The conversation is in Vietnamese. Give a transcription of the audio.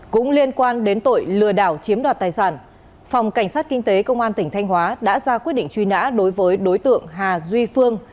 cảnh sát kinh tế công an tỉnh thanh hóa đã ra quyết định truy nã đối với đối tượng hà duy phương